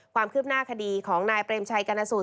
ความคืบหน้าคดีของนายเปรมชัยกรณสูตร